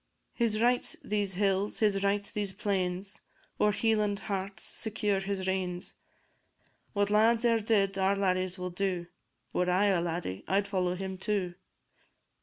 His right these hills, his right these plains; Ower Hieland hearts secure he reigns; What lads e'er did our laddies will do; Were I a laddie, I'd follow him too.